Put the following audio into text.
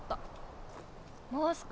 もう少し。